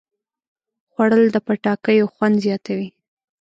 خوړل د پټاکیو خوند زیاتوي